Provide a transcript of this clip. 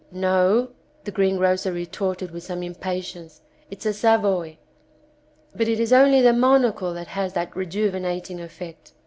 *'No,'* the greengrocer retorted with some impatience, "it's a Savoy." But it is only the monocle which has that rejuvinating effect.